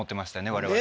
我々。